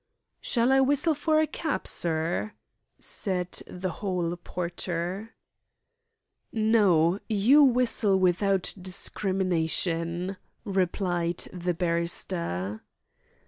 "Shall I whistle for a cab, sir?" said the hall porter. "No. You whistle without discrimination," replied the barrister.